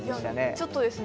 ちょっとですね